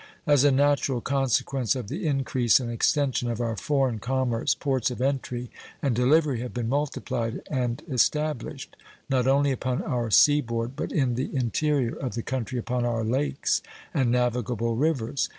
As a natural consequence of the increase and extension of our foreign commerce, ports of entry and delivery have been multiplied and established, not only upon our sea board but in the interior of the country upon our lakes and navigable rivers.